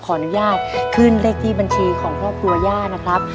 ขออนุญาตขึ้นเลขที่บัญชีของครอบครัวย่านะครับ